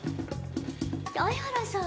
相原さん